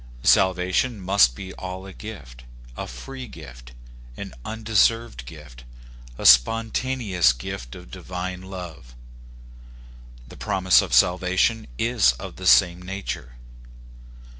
Salvation must be all a gift, a free gift, an undeserved gift, a spon taneous gift of divine love. The promise of salva tion is of the same nature.